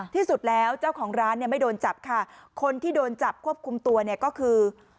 ที่สุดแล้วเจ้าของร้านเนี่ยไม่โดนจับค่ะคนที่โดนจับควบคุมตัวเนี่ยก็คือ